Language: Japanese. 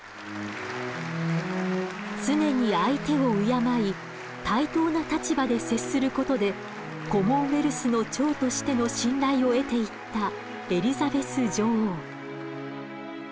常に相手を敬い対等な立場で接することでコモンウェルスの長としての信頼を得ていったエリザベス女王。